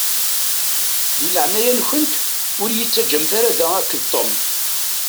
Di leɛnaya-nkent ur yi-ttaǧǧamt ara da akked Tom.